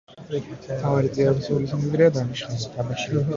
მთავარი წიაღისეული სიმდიდრეა დარიშხანი, თაბაშირი.